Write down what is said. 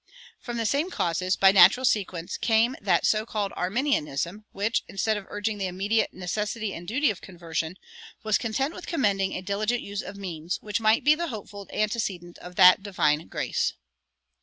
From the same causes, by natural sequence, came that so called Arminianism[104:1] which, instead of urging the immediate necessity and duty of conversion, was content with commending a "diligent use of means," which might be the hopeful antecedent of that divine grace.